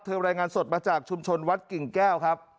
รายงานสดมาจากชุมชนวัดกิ่งแก้วครับ